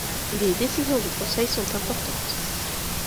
Les décisions du Conseil sont importantes.